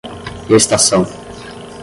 estação